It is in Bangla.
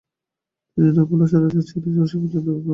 তিনি নেপলসের রাজার ছেড়ে যাওয়ার সিংহাসনটি অধিকার করে নেন।